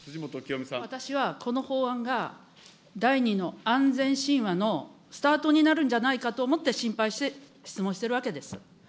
私はこの法案が、第２の安全神話のスタートになるんじゃないかと思って心配して質問してるわけです。